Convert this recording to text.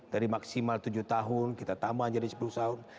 dari maksimal tujuh tahun kita tambah jadi sepuluh tahun